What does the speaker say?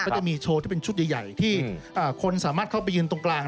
จะมีโชว์ที่เป็นชุดใหญ่ที่คนสามารถเข้าไปยืนตรงกลาง